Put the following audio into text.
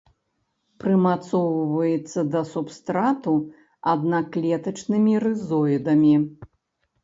Прымацоўваецца да субстрату аднаклетачнымі рызоідамі.